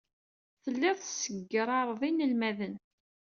Telliḍ tessegrareḍ inelmaden.